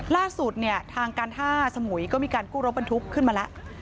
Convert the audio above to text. ล่าสุดเนี่ยทางการท่าสมุยก็มีการกู้รถบรรทุกขึ้นมาแล้ว